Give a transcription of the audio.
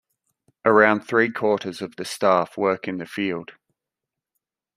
Around three quarters of the staff work in the field.